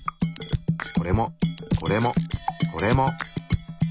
これもこれもこれも！